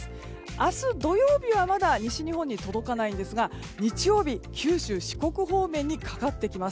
明日、土曜日はまだ西日本に届かないんですが日曜日、九州・四国方面にかかってきます。